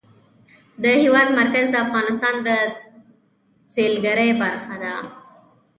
د هېواد مرکز د افغانستان د سیلګرۍ برخه ده.